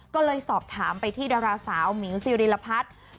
ก็เลยสอบถามไปที่ดาราสาวมิวซิริรพัฒน์